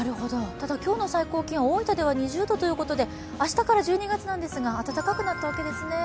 今日の最高気温、大分では２０度ということで明日から１２月なんですが暖かくなっていますね。